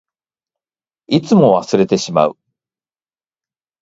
いつも忘れてしまう。